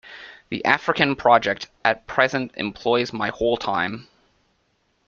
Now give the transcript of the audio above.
The African project at present employs my whole time.